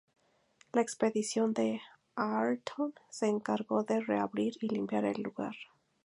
La expedición de Ayrton se encargó de reabrir y limpiar el lugar.